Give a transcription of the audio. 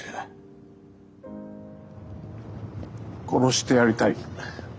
殺してやりたい。